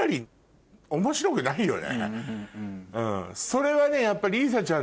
それはねやっぱ。